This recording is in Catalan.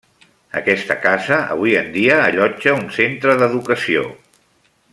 Aquesta casa avui en dia allotja un centre d'educació.